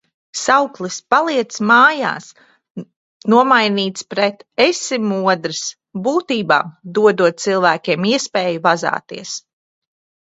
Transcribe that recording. Sauklis "paliec mājas" nomainīts pret "esi modrs". Būtībā, dodot cilvēkiem iespēju vazāties.